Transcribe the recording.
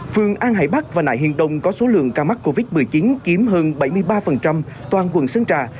phương an hải bắc và nại hiên đông có số lượng ca mắc covid một mươi chín kiếm hơn bảy mươi ba toàn quần sân trà